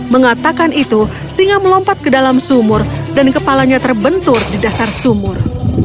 mengatakan itu singa melompat ke dalam sumur dan kepalanya terbentur di dasar sumur